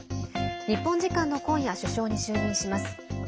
日本時間の今夜首相に就任します。